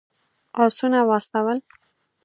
آسونه واستول.